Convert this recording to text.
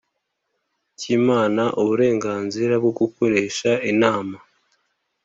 kimana uburenganzira bwo gukoresha inama